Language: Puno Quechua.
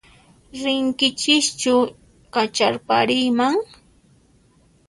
Rinkichischu kacharpariyman?